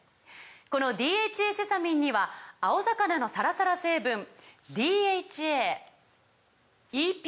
この「ＤＨＡセサミン」には青魚のサラサラ成分ＤＨＡＥＰＡ